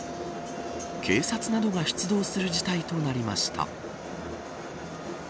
警察などが出動する事態となりました。